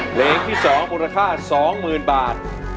เพลงที่๒มูลค่า๒๐๐๐บาท